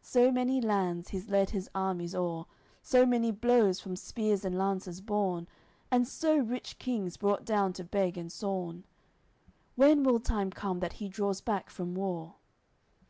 So many lands he's led his armies o'er, So many blows from spears and lances borne, And so rich kings brought down to beg and sorn, When will time come that he draws back from war?"